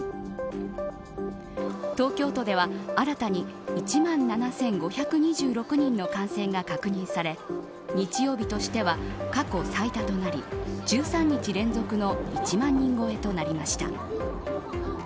東京都では新たに１万７５２６人の感染が確認され日曜日としては過去最多となり１３日連続の１万人超えとなりました。